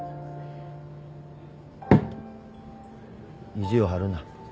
意地を張るな。